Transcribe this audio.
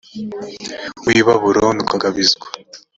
w i babuloni ukagab izwa